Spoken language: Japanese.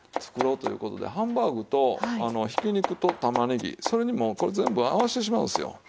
作ろうという事でハンバーグとひき肉と玉ねぎそれにもうこれ全部合わせてしまうんですよ。